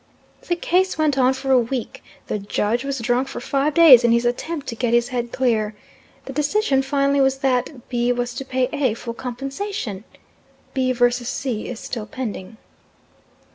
The case went on for a week; the judge was drunk for five days in his attempt to get his head clear. The decision finally was that B. was to pay A. full compensation. B. v. C. is still pending.